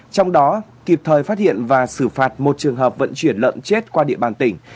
trong đó kịp thời phát hiện và xử phạt một trường hợp vận chuyển lợn chết qua địa bàn tỉnh